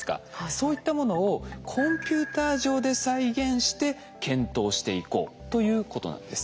そういったものをコンピューター上で再現して検討していこうということなんです。